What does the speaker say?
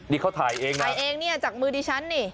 นี่เขาถ่ายเองนะจากมือดิฉันนี่